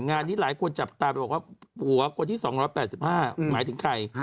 งานนี้หลายคนจับตาไปบอกว่าผัวคนที่๒๘๕หมายถึงใคร